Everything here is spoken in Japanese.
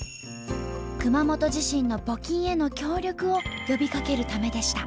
熊本地震の募金への協力を呼びかけるためでした。